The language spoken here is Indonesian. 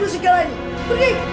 manikara semua pergi